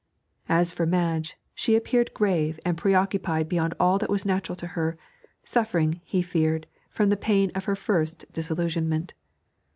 As for Madge, she appeared grave and pre occupied beyond all that was natural to her, suffering, he feared, from the pain of her first disillusionment.